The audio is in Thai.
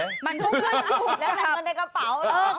มันคุกกันถูกแล้วจับเงินในกระเป๋าแล้ว